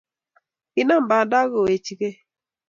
Kinam banda akowechikeu